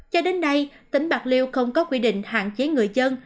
cho đến nay tỉnh bạc liêu không có quy định hạn chế người dân